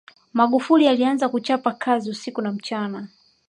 magufuli alianza kuchapa kazi usiku na mchana